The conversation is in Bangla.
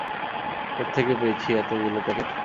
কোত্থেকে পেয়েছি এতোগুলো প্যাকেট?